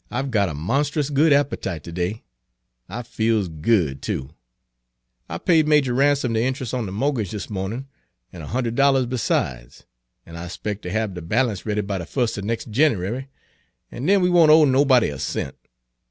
"I 've got a monst'us good appetite ter day. I feels good, too. I paid Majah Ransom de intrus' on de mortgage dis mawnin' an' a hund'ed dollahs besides, an' I spec's ter hab de balance ready by de fust of nex' Jiniwary; an' den we won't owe nobody a cent.